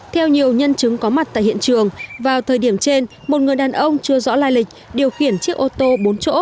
theo nhiều nhân chứng có mặt tại hiện trường vào thời điểm trên một người đàn ông chưa rõ lai lịch điều khiển chiếc ô tô bốn chỗ